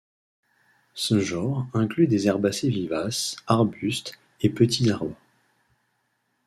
Ce genre inclut des herbacées vivaces, arbustes et petits arbres.